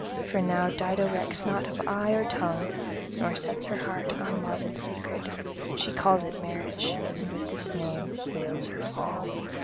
For now Dido recks not of eye or tongue, nor sets her heart on love in secret: she calls it marriage, and with this name veils her fall.